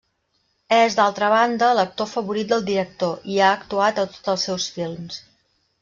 És d'altra banda l'actor favorit del director, i ha actuat a tots els seus films.